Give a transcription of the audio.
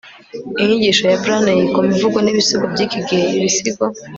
inyigisho ya blaney ku mivugo n'ibisigo by'iki gihe; ibisigo